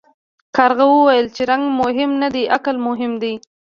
کارغه وویل چې رنګ مهم نه دی عقل مهم دی.